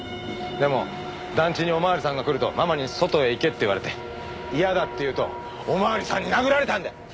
でも団地におまわりさんが来るとママに外へ行けって言われて嫌だって言うとおまわりさんに殴られたんだ。